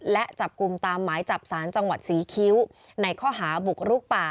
และจับกลุ่มตามหมายจับสารจังหวัดศรีคิ้วในข้อหาบุกรุกป่า